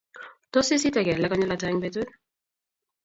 Tos, Isite kelegeek konyil ata eng betut?